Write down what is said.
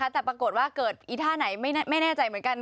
แต่ปรากฏว่าเกิดอีท่าไหนไม่แน่ใจเหมือนกัน